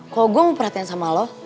kalau gue mau perhatian sama lo